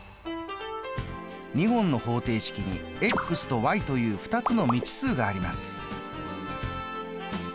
２本の方程式にとという２つの未知数があります。